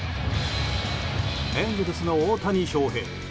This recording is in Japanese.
エンゼルスの大谷翔平。